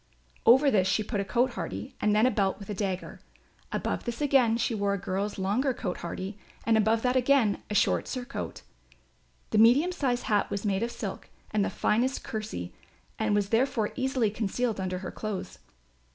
Over this she put a cote hardie and then a belt with a dagger. Above this again she wore a girl's longer cote hardie and above that again a short surcoat. The medium sized hat was made of silk and the finest kersey and was therefore easily concealed under her clothes.